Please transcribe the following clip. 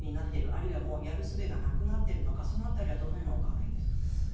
あるいはやるすべがなくなっているのかその辺りはどのようにお考えですか？